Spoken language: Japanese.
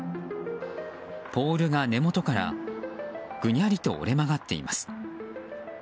ポールが根元からぐにゃりと折れ曲がっています。